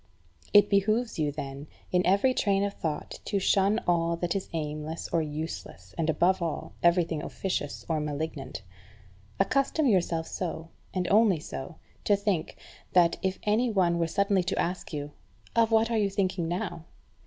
It behoves you, then, in every train of thought to shun all that is aimless or useless, and, above all, everything officious or malignant. Accustom yourself so, and only so, to think, that, if any one were suddenly to ask you, "Of what are you thinking now?"